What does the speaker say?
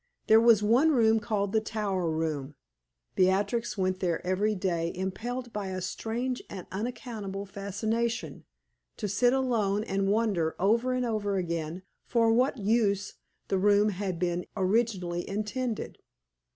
There was one room called the tower room. Beatrix went there every day, impelled by a strange and unaccountable fascination, to sit alone and wonder over and over again for what use the room had been originally intended.